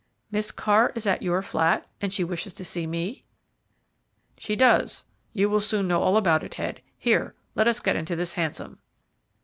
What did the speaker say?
"Miss Carr at your flat, and she wishes to see me?" "She does. You will soon know all about it, Head. Here, let us get into this hansom."